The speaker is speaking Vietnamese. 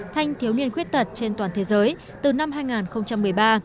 thanh thiếu niên khuyết tật trên toàn thế giới từ năm hai nghìn một mươi ba